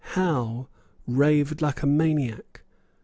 Howe raved like a maniac.